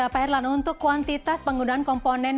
pak herlan untuk kuantitas penggunaan komponen